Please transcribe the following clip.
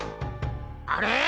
あれ？